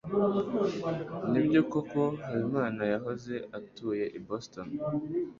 Nibyo koko Habimana yahoze atuye i Boston?